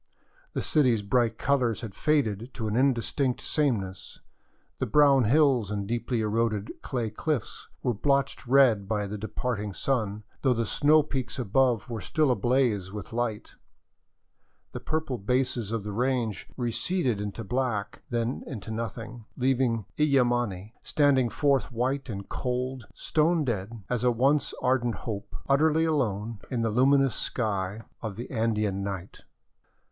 The city's bright colors had faded to an indistinct sameness, the brown hills and deeply eroded clay cliffs were blotched red by the departing sun, though the snow peaks above were still ablaze with light ; the purple bases of the range receded into black, then into nothing, leaving Illimani standing forth white and cold, s.tone dead as a once ardent hope, utterly alone in the luminous sky of the Andean night.